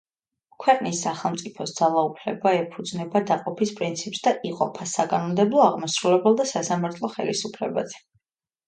ქვეყნის სახელმწიფოს ძალაუფლება ეფუძნება დაყოფის პრინციპს და იყოფა: საკანონმდებლო, აღმასრულებელ და სასამართლო ხელისუფლებაზე.